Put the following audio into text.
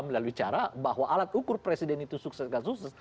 melalui cara bahwa alat ukur presiden itu sukses dan sukses